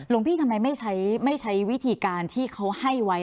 พี่ทำไมไม่ใช้วิธีการที่เขาให้ไว้